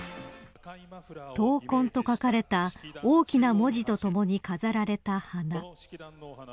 闘魂、と書かれた大きな文字とともに飾られた花。